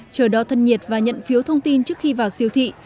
chờ đo thân nhiệt và nhận phiếu thông tin trước khi vào siêu thị